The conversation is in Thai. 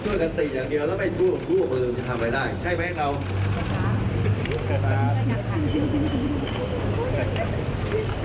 เมื่อข้อมูลทุกขุมต้องฝูกกดาลมีอะไรได้ใช่ไหมครับ